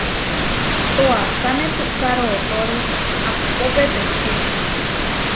Toákane puʼká rootóre ahpó peteči.